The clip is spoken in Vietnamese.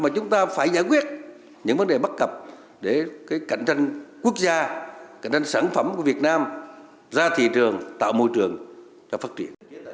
chúng ta phải giải quyết những vấn đề bất cập để cạnh tranh quốc gia cạnh tranh sản phẩm của việt nam ra thị trường tạo môi trường cho phát triển